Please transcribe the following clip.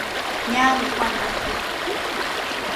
Nyaalikwa na fii.